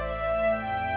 udah kata apa lagi ya